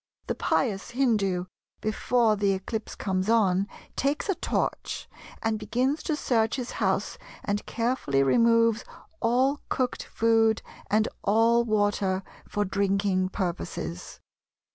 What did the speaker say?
The pious Hindu, before the eclipse comes on, takes a torch, and begins to search his house and carefully removes all cooked food, and all water for drinking purposes.